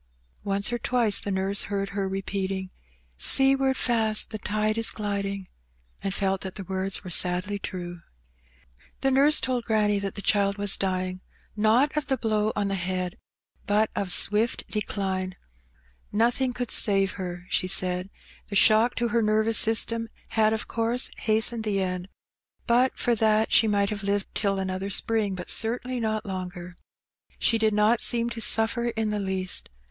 Once or twice the nurse heard her repeating, '' Seaward fast the tide is gliding," and felt that the words were sadly true. The nurse told granny that the child was dying, not of the blow on the head, but of swift decline. Nothing could save her, she said. The shock to her nervous system had of course hastened the end; but for that she might have lived till another spring, but certainly not longer. She did not seem to suflFer in the least.